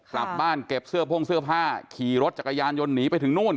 กลับบ้านเก็บเสื้อพ่งเสื้อผ้าขี่รถจักรยานยนต์หนีไปถึงนู่น